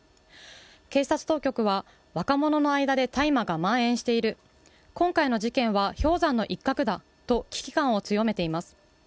警察当局は、若者の間で大麻が蔓延している、今回の事件は氷山の一角だと危機感を強めています。